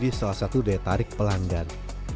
menjadi salah satu daya tarik pelanggan